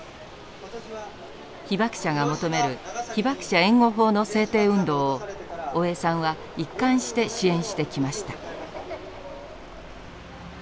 被爆者が求める被爆者援護法の制定運動を大江さんは一貫して支援してきました。